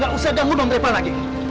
gak usah ganggu nonrepa lagi